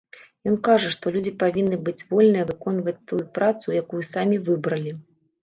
Ён кажа, што людзі павінны быць вольныя выконваць тую працу, якую самі выбралі.